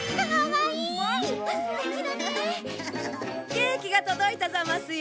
ケーキが届いたざますよ。